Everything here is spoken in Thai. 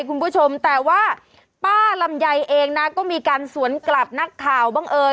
คุณผู้ชมแต่ว่าป้าลำไยเองนะก็มีการสวนกลับนักข่าวบ้างเอ่ย